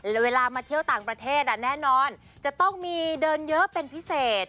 แล้วเวลามาเที่ยวต่างประเทศแน่นอนจะต้องมีเดินเยอะเป็นพิเศษ